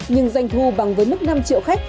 nhưng doanh thu bằng với mức năm triệu khách